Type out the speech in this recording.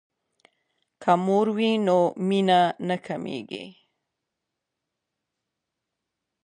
که مور وي نو مینه نه کمیږي.